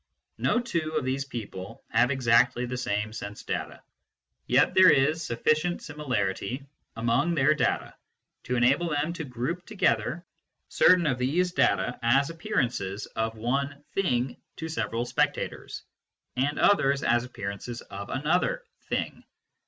No two of these people have exactly the same sense data, yet there is sufficient similarity among their data to enable them to group together certain of these data as appearances of one " thing " to the several spectators, and others as appearances of another " thing."